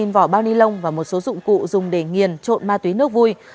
một vỏ bao nilon và một số dụng cụ dùng để nghiền trộn ma túy nước vui